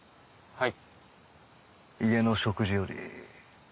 はい。